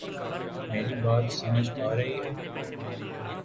میری بات سمجھ آ رہی ہے